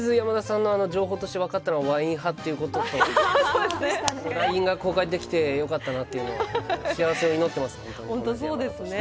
とりあえずヤマダさんの情報として分かったのはワイン派ということとＬＩＮＥが交換できてよかったというのは幸せを祈っています。